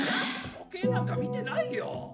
時計なんか見てないよ！